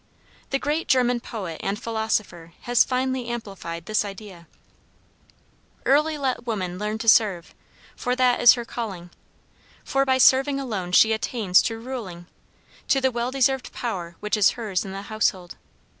The great German poet and philosopher has finely amplified this idea: "Early let woman learn to serve, for that is her calling, For by serving alone she attains to ruling; To the well deserved power which is hers in the household.